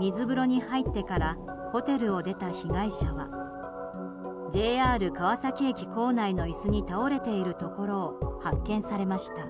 水風呂に入ってからホテルを出た被害者はＪＲ川崎駅構内の椅子に倒れているところを発見されました。